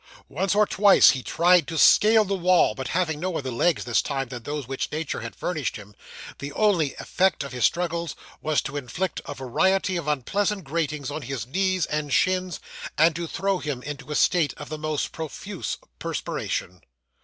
Once or twice he tried to scale the wall, but having no other legs this time, than those with which Nature had furnished him, the only effect of his struggles was to inflict a variety of very unpleasant gratings on his knees and shins, and to throw him into a state of the most profuse perspiration.